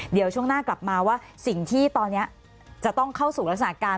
เดี๋ยวช่วงหน้ากลับมาว่าสิ่งที่ตอนนี้จะต้องเข้าสู่ลักษณะการ